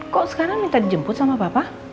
kok sekarang minta dijemput sama papa